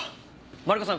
マリコさん